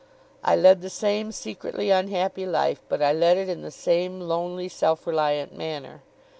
I led the same secretly unhappy life; but I led it in the same lonely, self reliant manner.